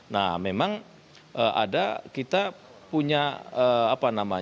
saya kira kalau saya melihat apa yang dihasilkan oleh komisi tiga